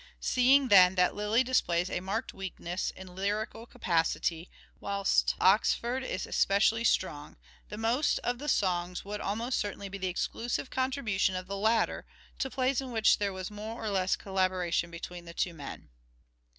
Seeing, then, that Lyly displays a marked weakness in lyrical capacity, whilst Oxford is specially strong, the most of the songs would almost certainly be the exclusive contribution of the latter, to plays in which there was more or less collabora tion between the two men.